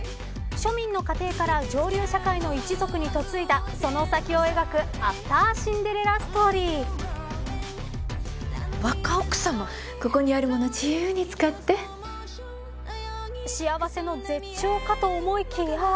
庶民の家庭から上流社会の一族に嫁いだその先を描くアフター・シンデレラ・若奥様、ここにあるもの幸せの絶頂かと思いきや。